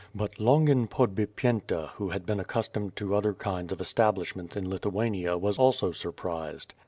But Longin Podbipyenta who had been accustomed to other kinds of establishments in Lithuania was also surprised.